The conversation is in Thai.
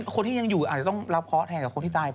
คนที่ยังอยู่อาจรบรับเค้ามาแทนก่อนคนที่ตาย